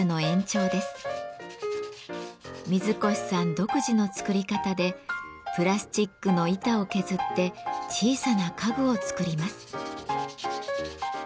独自の作り方でプラスチックの板を削って小さな家具を作ります。